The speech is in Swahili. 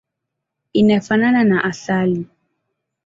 Inafanana na asali.